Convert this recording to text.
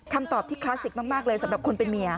คำตอบที่คลาสสิกมากเลยสำหรับคนเป็นเมีย